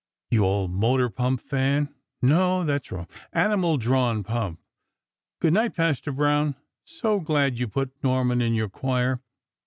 You old motor pump fan! No; that's wrong; animal drawn pump! Good night, Pastor Brown; so glad you put Norman in your choir.